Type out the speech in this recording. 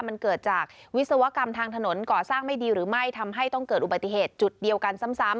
มันเกิดจากวิศวกรรมทางถนนก่อสร้างไม่ดีหรือไม่ทำให้ต้องเกิดอุบัติเหตุจุดเดียวกันซ้ำ